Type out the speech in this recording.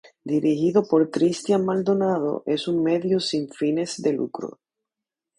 Dirigido por Cristian Maldonado, es un medio sin fines de lucro.